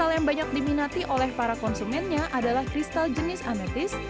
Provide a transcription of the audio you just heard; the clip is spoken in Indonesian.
yang diminati oleh para konsumennya adalah kristal jenis ametis